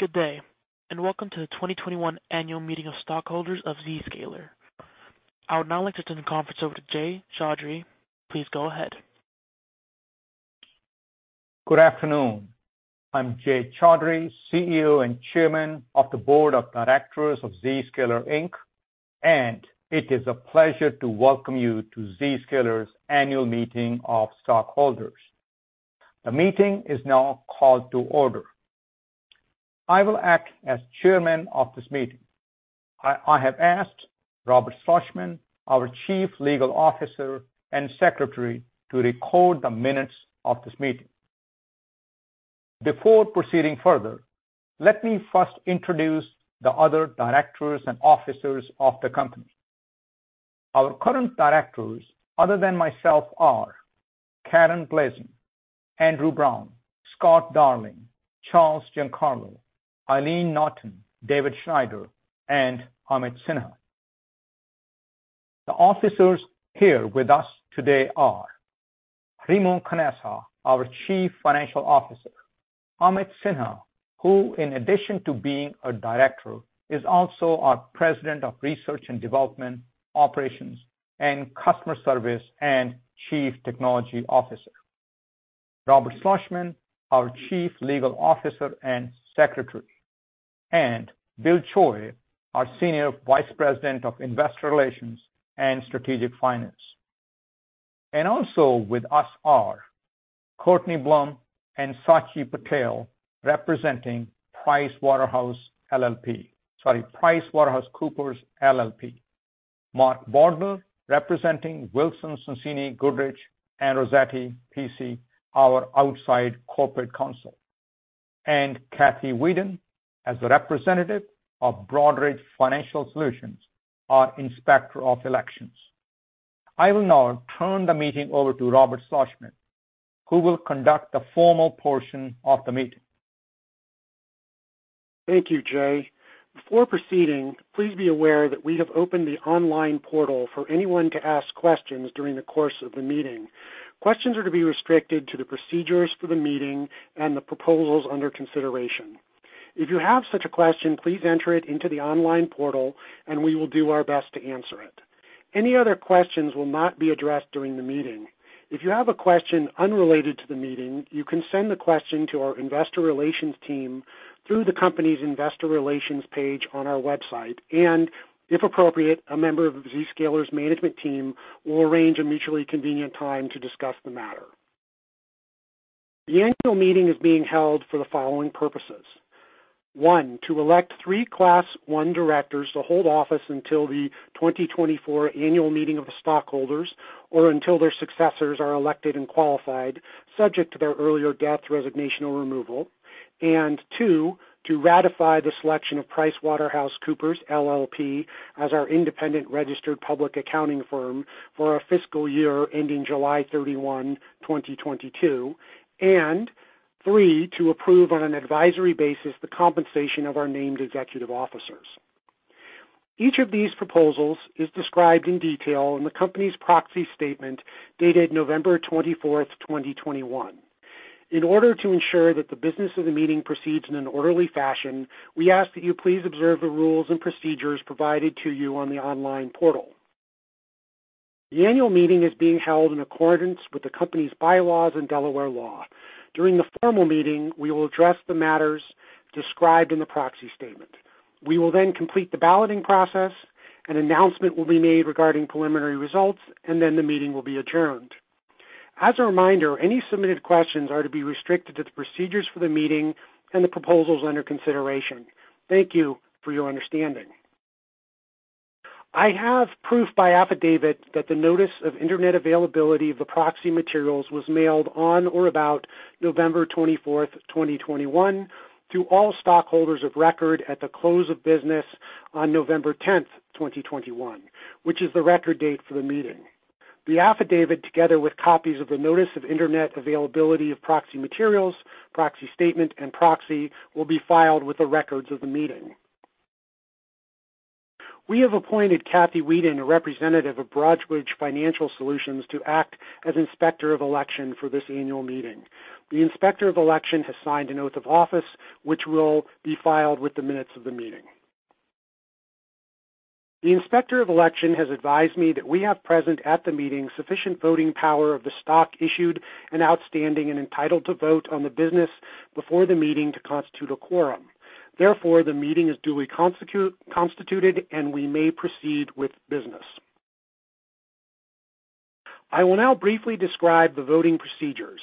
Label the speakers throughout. Speaker 1: Good day, and welcome to the 2021 annual meeting of stockholders of Zscaler. I would now like to turn the conference over to Jay Chaudhry. Please go ahead.
Speaker 2: Good afternoon. I'm Jay Chaudhry, CEO and Chairman of the Board of Directors of Zscaler, Inc. It is a pleasure to welcome you to Zscaler's annual meeting of stockholders. The meeting is now called to order. I will act as chairman of this meeting. I have asked Robert Schlossman, our Chief Legal Officer and Secretary, to record the minutes of this meeting. Before proceeding further, let me first introduce the other directors and officers of the company. Our current directors, other than myself, are Karen Blasing, Andrew Brown, Scott Darling, Charles Giancarlo, Eileen Naughton, David Schneider, and Amit Sinha. The officers here with us today are Remo Canessa, our Chief Financial Officer. Amit Sinha, who in addition to being a Director, is also our President of Research and Development, Operations, and Customer Service and Chief Technology Officer. Robert Schlossman, our Chief Legal Officer and Secretary. Bill Choi, our Senior Vice President of Investor Relations and Strategic Finance. Also with us are Courtney Blum and Saket Patel, representing PricewaterhouseCoopers LLP. Mark Baudler, representing Wilson Sonsini Goodrich & Rosati PC, our outside corporate counsel. Kathy Weeden, as a representative of Broadridge Financial Solutions, our Inspector of Elections. I will now turn the meeting over to Robert Schlossman, who will conduct the formal portion of the meeting.
Speaker 3: Thank you, Jay. Before proceeding, please be aware that we have opened the online portal for anyone to ask questions during the course of the meeting. Questions are to be restricted to the procedures for the meeting and the proposals under consideration. If you have such a question, please enter it into the online portal, and we will do our best to answer it. Any other questions will not be addressed during the meeting. If you have a question unrelated to the meeting, you can send the question to our investor relations team through the company's investor relations page on our website and, if appropriate, a member of Zscaler's management team will arrange a mutually convenient time to discuss the matter. The annual meeting is being held for the following purposes. One, to elect three Class 1 directors to hold office until the 2024 annual meeting of the stockholders or until their successors are elected and qualified, subject to their earlier death, resignation, or removal. Two, to ratify the selection of PricewaterhouseCoopers LLP as our independent registered public accounting firm for our fiscal year ending July 31, 2022. Three, to approve on an advisory basis the compensation of our named executive officers. Each of these proposals is described in detail in the company's proxy statement dated November 24th, 2021. In order to ensure that the business of the meeting proceeds in an orderly fashion, we ask that you please observe the rules and procedures provided to you on the online portal. The annual meeting is being held in accordance with the company's bylaws and Delaware law. During the formal meeting, we will address the matters described in the proxy statement. We will then complete the balloting process, an announcement will be made regarding preliminary results, and then the meeting will be adjourned. As a reminder, any submitted questions are to be restricted to the procedures for the meeting and the proposals under consideration. Thank you for your understanding. I have proof by affidavit that the notice of Internet availability of the proxy materials was mailed on or about November 24th, 2021 to all stockholders of record at the close of business on November 10th, 2021, which is the record date for the meeting. The affidavit, together with copies of the notice of Internet availability of proxy materials, proxy statement, and proxy, will be filed with the records of the meeting. We have appointed Kathy Weeden, a representative of Broadridge Financial Solutions, to act as Inspector of Election for this annual meeting. The Inspector of Election has signed an oath of office, which will be filed with the minutes of the meeting. The Inspector of Election has advised me that we have present at the meeting sufficient voting power of the stock issued and outstanding and entitled to vote on the business before the meeting to constitute a quorum. Therefore, the meeting is duly constituted, and we may proceed with business. I will now briefly describe the voting procedures.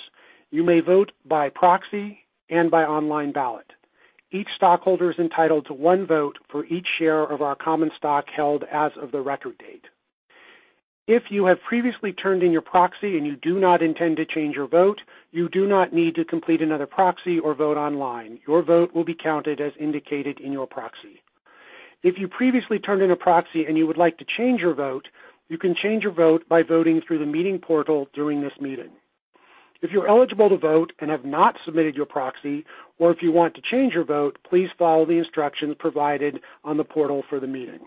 Speaker 3: You may vote by proxy and by online ballot. Each stockholder is entitled to one vote for each share of our common stock held as of the record date. If you have previously turned in your proxy and you do not intend to change your vote, you do not need to complete another proxy or vote online. Your vote will be counted as indicated in your proxy. If you previously turned in a proxy and you would like to change your vote, you can change your vote by voting through the meeting portal during this meeting. If you're eligible to vote and have not submitted your proxy, or if you want to change your vote, please follow the instructions provided on the portal for the meeting.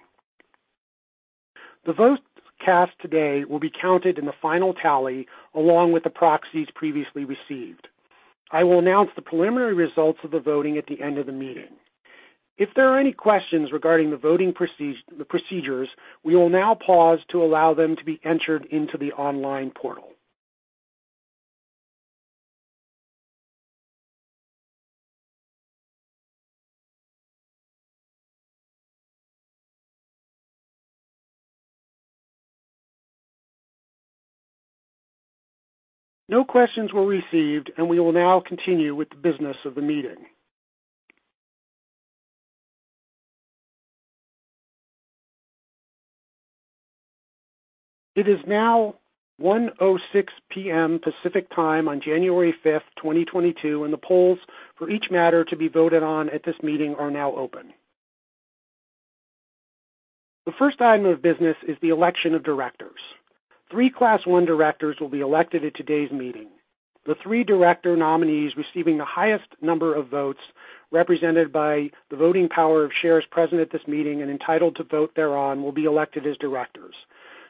Speaker 3: The votes cast today will be counted in the final tally, along with the proxies previously received. I will announce the preliminary results of the voting at the end of the meeting. If there are any questions regarding the voting procedures, we will now pause to allow them to be entered into the online portal. No questions were received, and we will now continue with the business of the meeting. It is now 1:06 P.M. Pacific Time on January 5th, 2022, and the polls for each matter to be voted on at this meeting are now open. The first item of business is the election of directors. Three Class 1 directors will be elected at today's meeting. The three director nominees receiving the highest number of votes, represented by the voting power of shares present at this meeting and entitled to vote thereon, will be elected as directors.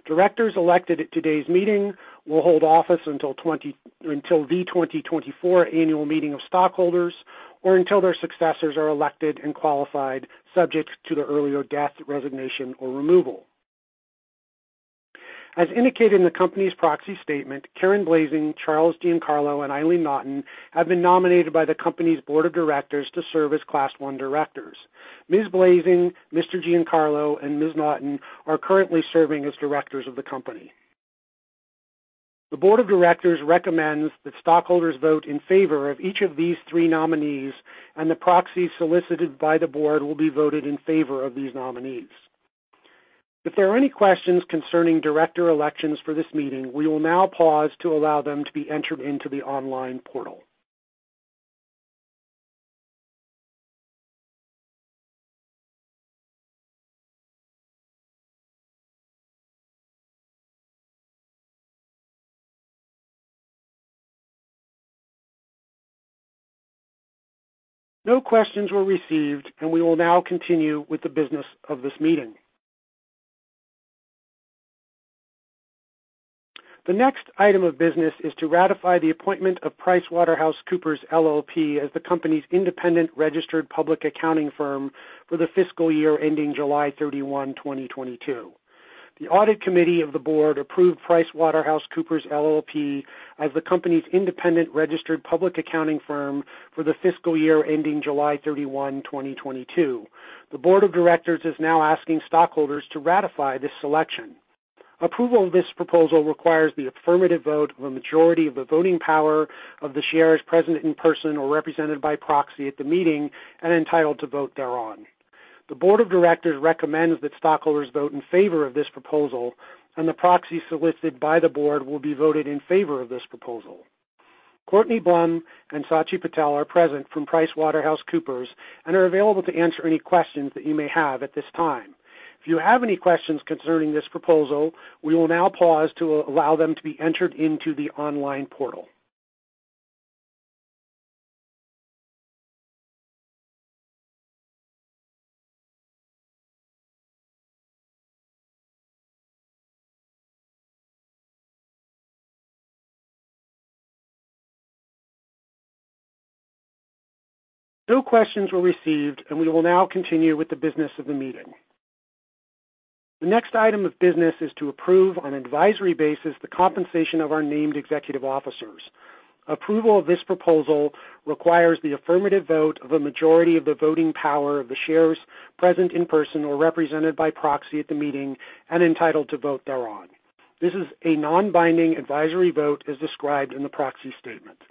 Speaker 3: Directors elected at today's meeting will hold office until the 2024 annual meeting of stockholders, or until their successors are elected and qualified, subject to their earlier death, resignation or removal. As indicated in the company's proxy statement, Karen Blasing, Charles Giancarlo, and Eileen Naughton have been nominated by the company's board of directors to serve as Class 1 directors. Ms. Blasing, Mr. Giancarlo, and Ms. Naughton are currently serving as directors of the company. The board of directors recommends that stockholders vote in favor of each of these three nominees, and the proxies solicited by the board will be voted in favor of these nominees. If there are any questions concerning director elections for this meeting, we will now pause to allow them to be entered into the online portal. No questions were received, and we will now continue with the business of this meeting. The next item of business is to ratify the appointment of PricewaterhouseCoopers LLP as the company's independent registered public accounting firm for the fiscal year ending July 31, 2022. The board of directors is now asking stockholders to ratify this selection. Approval of this proposal requires the affirmative vote of a majority of the voting power of the shares present in person or represented by proxy at the meeting and entitled to vote thereon. The board of directors recommends that stockholders vote in favor of this proposal, and the proxies solicited by the board will be voted in favor of this proposal. Courtney Blum and Saket Patel are present from PricewaterhouseCoopers and are available to answer any questions that you may have at this time. If you have any questions concerning this proposal, we will now pause to allow them to be entered into the online portal. No questions were received, and we will now continue with the business of the meeting. The next item of business is to approve, on an advisory basis, the compensation of our named executive officers. Approval of this proposal requires the affirmative vote of a majority of the voting power of the shares present in person or represented by proxy at the meeting and entitled to vote thereon. This is a non-binding advisory vote, as described in the proxy statement.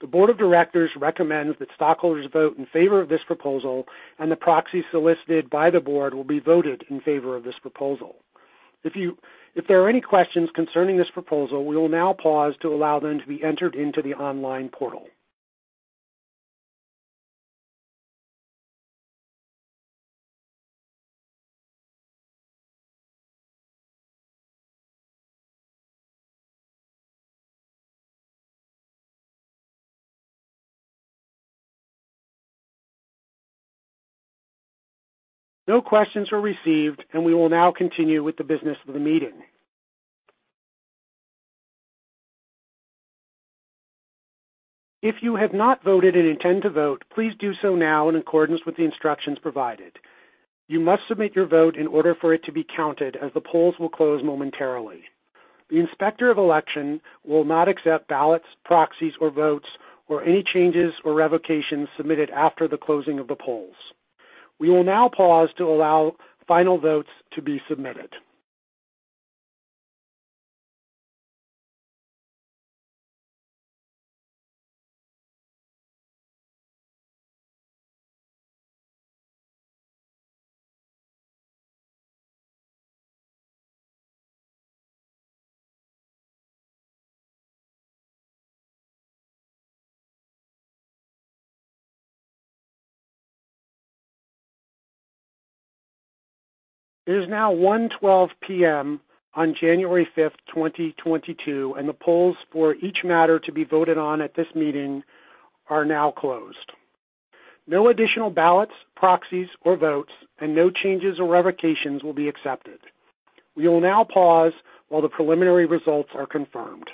Speaker 3: The Board of Directors recommends that stockholders vote in favor of this proposal, and the proxies solicited by the Board will be voted in favor of this proposal. If there are any questions concerning this proposal, we will now pause to allow them to be entered into the online portal. No questions were received, and we will now continue with the business of the meeting. If you have not voted and intend to vote, please do so now in accordance with the instructions provided. You must submit your vote in order for it to be counted, as the polls will close momentarily. The Inspector of Elections will not accept ballots, proxies or votes or any changes or revocations submitted after the closing of the polls. We will now pause to allow final votes to be submitted. It is now 1:12 P.M. on January 5th, 2022, and the polls for each matter to be voted on at this meeting are now closed. No additional ballots, proxies, or votes, and no changes or revocations will be accepted. We will now pause while the preliminary results are confirmed.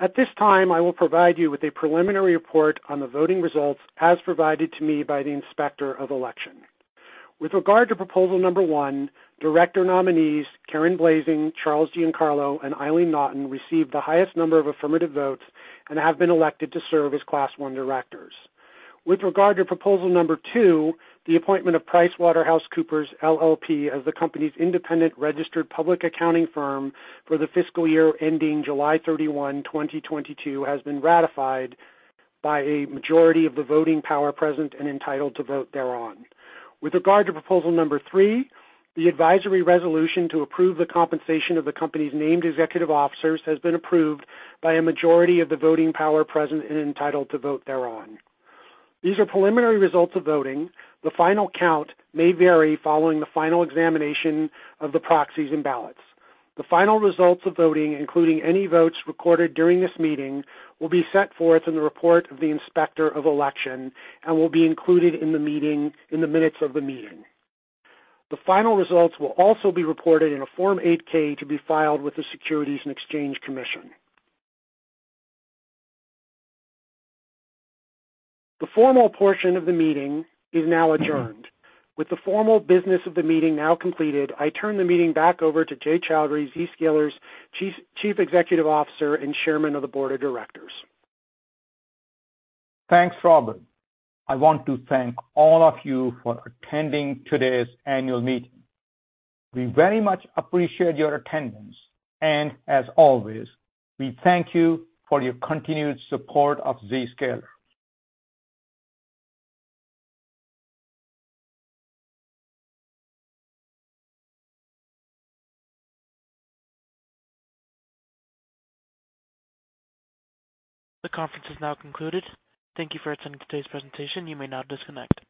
Speaker 3: At this time, I will provide you with a preliminary report on the voting results as provided to me by the Inspector of Election. With regard to proposal number 1, director nominees Karen Blasing, Charles Giancarlo, and Eileen Naughton received the highest number of affirmative votes and have been elected to serve as Class 1 directors. With regard to proposal number two the appointment of PricewaterhouseCoopers LLP as the company's independent registered public accounting firm for the fiscal year ending July 31, 2022, has been ratified by a majority of the voting power present and entitled to vote thereon. With regard to proposal number three, the advisory resolution to approve the compensation of the company's named executive officers has been approved by a majority of the voting power present and entitled to vote thereon. These are preliminary results of voting. The final count may vary following the final examination of the proxies and ballots. The final results of voting, including any votes recorded during this meeting, will be set forth in the report of the Inspector of Election and will be included in the minutes of the meeting. The final results will also be reported in a Form 8-K to be filed with the Securities and Exchange Commission. The formal portion of the meeting is now adjourned. With the formal business of the meeting now completed, I turn the meeting back over to Jay Chaudhry, Zscaler's Chief Executive Officer and Chairman of the Board of Directors.
Speaker 2: Thanks, Robert. I want to thank all of you for attending today's annual meeting. We very much appreciate your attendance, and as always, we thank you for your continued support of Zscaler.
Speaker 1: The conference is now concluded. Thank you for attending today's presentation. You may now disconnect.